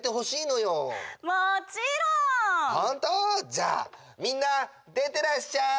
じゃあみんな出てらっしゃい！